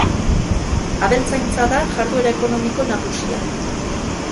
Abeltzaintza da jarduera ekonomiko nagusia.